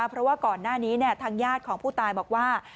เพราะว่าก่อนหน้านี้ทางญาติของผู้ตายบอกว่า